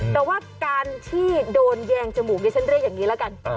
แต่ว่าการที่โดนแยงจมูกดิฉันเรียกอย่างนี้ละกัน